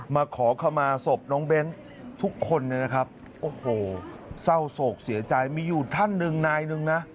มาขอขมาศพน้องเบ้นทุกคนเนี่ยนะครับโอ้โหเศร้าโศกเสียใจมีอยู่ท่านหนึ่งนายหนึ่งนะ